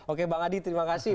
oke bang adi terima kasih